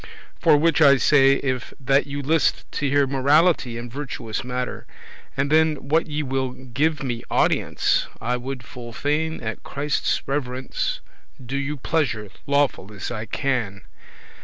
For which I say, if that you list to hear Morality and virtuous mattere, And then that ye will give me audience, I would full fain at Christe's reverence Do you pleasance lawful, as I can.